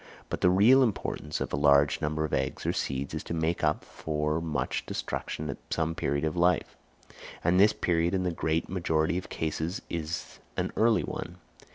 But the real importance of a large number of eggs or seeds is to make up for much destruction at some period of life; and this period in the great majority of cases is an early one.